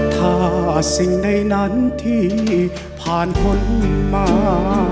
ถ้าสิ่งใดนั้นที่ผ่านพ้นมา